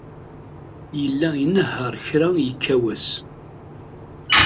Yella inehheṛ kra yekka wass.